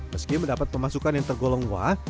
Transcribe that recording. meski mendapat pemasukan yang tergolong wah